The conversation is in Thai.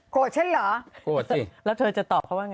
ฉันเหรอโกรธแล้วเธอจะตอบเขาว่าไง